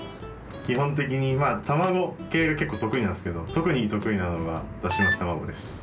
基本的にまあ卵系が結構得意なんですけど特に得意なのがだし巻き卵です。